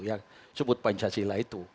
yang disebut pancasila itu